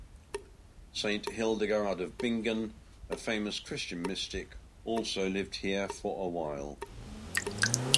Saint Hildegard of Bingen, a famous Christian mystic, also lived here for a while.